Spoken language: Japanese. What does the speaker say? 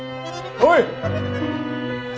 はい。